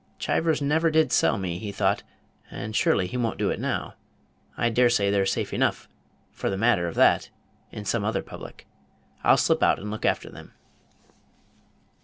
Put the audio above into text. "Chivers never did sell me," he thought, "and surely he won't do it now. I dare say they're safe enough, for the matter of that, in some other public. I'll slip out and look after them."